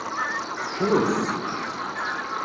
Cnut!